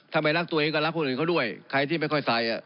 ไม่รักตัวเองก็รักคนอื่นเขาด้วยใครที่ไม่ค่อยใส่